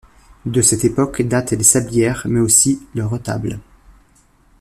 De cette époque datent les sablières mais aussi le retable.